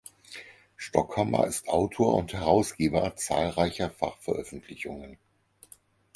Stockhammer ist Autor und Herausgeber zahlreicher Fachveröffentlichungen.